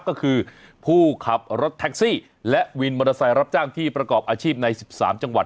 ก็คือผู้ขับรถแท็กซี่และวินมอเตอร์ไซค์รับจ้างที่ประกอบอาชีพใน๑๓จังหวัด